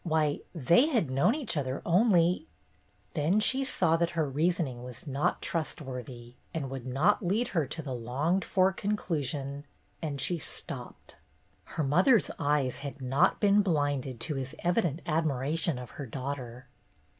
Why, they had known each other only — Then she saw that her reasoning was not trustworthy and would not lead her to the longed for conclu sion, and she stopped. Her mother's eyes had not been blinded to his evident admiration of her daughter.